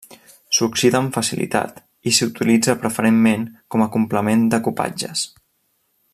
S'oxida amb facilitat i s'utilitza preferentment com a complement de cupatges.